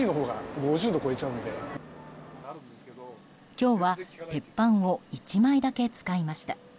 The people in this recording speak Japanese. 今日は鉄板を１枚だけ使いました。